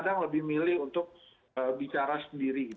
kadang lebih milih untuk bicara sendiri